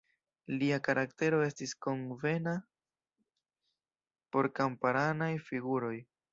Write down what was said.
Lia karaktero estis konvena por kamparanaj figuroj.